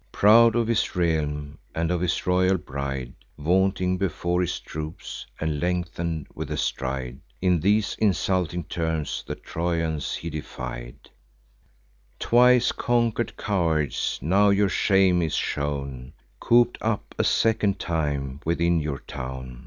Proud of his realm, and of his royal bride, Vaunting before his troops, and lengthen'd with a stride, In these insulting terms the Trojans he defied: "Twice conquer'd cowards, now your shame is shown— Coop'd up a second time within your town!